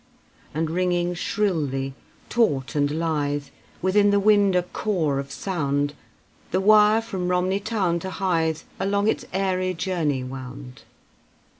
And ringing shrilly, taut and lithe, Within the wind a core of sound, The wire from Romney town to Hythe Along its airy journey wound.